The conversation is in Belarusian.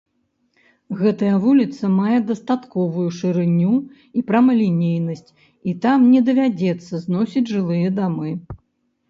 Гэтая вуліца мае дастатковую шырыню і прамалінейнасць і там не давядзецца зносіць жылыя дамы.